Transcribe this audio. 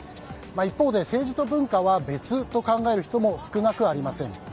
一方で政治と文化は別と考える人も少なくありません。